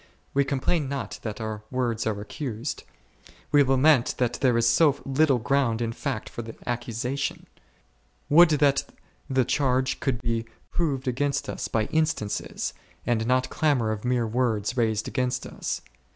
We complain not that our words are accused ; we lament that there is so little ground in fact for the accusation. Would that the charge could be proved against us by instances, and not clamour of mere words raised against us